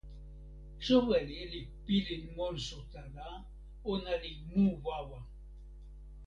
soweli li pilin monsuta la, ona li mu wawa.